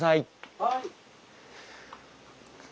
・はい。